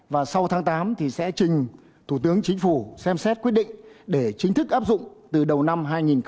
và sau tháng tám thì sẽ trình thủ tướng chính phủ xem xét quyết định để chính thức áp dụng từ đầu năm hai nghìn hai mươi